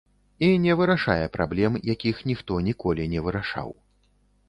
І не вырашае праблем, якіх ніхто ніколі не вырашаў.